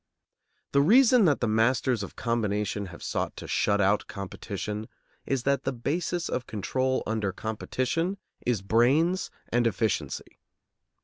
The reason that the masters of combination have sought to shut out competition is that the basis of control under competition is brains and efficiency.